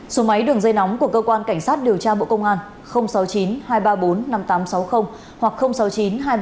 số máy đường dây nóng của cơ quan cảnh sát điều tra bộ công an sáu mươi chín hai trăm ba mươi bốn năm nghìn tám trăm sáu mươi hoặc sáu mươi chín hai trăm hai mươi hai một nghìn sáu trăm